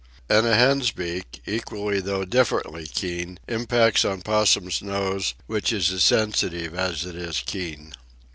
And a hen's beak, equally though differently keen, impacts on Possum's nose, which is as sensitive as it is keen.